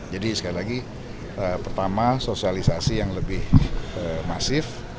jadi sekali lagi pertama sosialisasi yang lebih masif